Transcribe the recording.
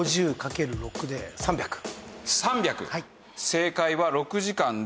正解は６時間で。